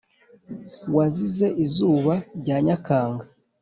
wazize izuba rya nyakanga.